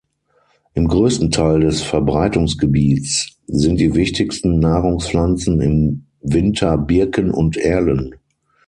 Im größten Teil des Verbreitungsgebiets sind die wichtigsten Nahrungspflanzen im Winter Birken und Erlen.